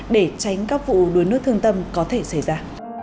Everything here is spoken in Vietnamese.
để tránh các vụ đuối nước thương tâm có thể xảy ra